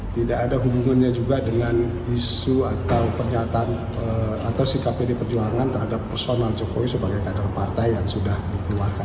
tidak ada hubungannya juga dengan isu atau pernyataan atau sikap pdi perjuangan terhadap personal jokowi sebagai kader partai yang sudah dikeluarkan